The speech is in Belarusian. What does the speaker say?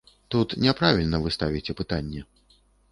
Тут няправільна вы ставіце пытанне.